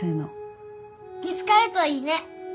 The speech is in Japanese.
見つかるといいね！